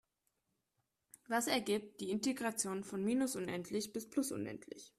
Was ergibt die Integration von minus unendlich bis plus unendlich?